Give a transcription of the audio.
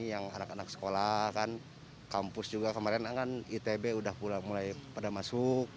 yang anak anak sekolah kan kampus juga kemarin kan itb udah mulai pada masuk